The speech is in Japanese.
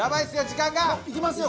時間が。いきますよ